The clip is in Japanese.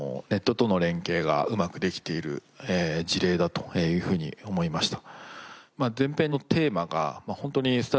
というふうに思いました。